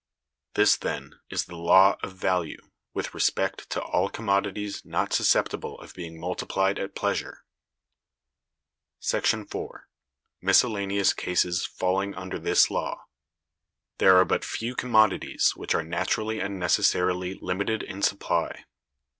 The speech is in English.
(210) This, then, is the Law of Value, with respect to all commodities not susceptible of being multiplied at pleasure. § 4. Miscellaneous Cases falling under this Law. There are but few commodities which are naturally and necessarily limited in supply.